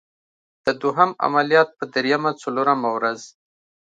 د دوهم عملیات په دریمه څلورمه ورځ.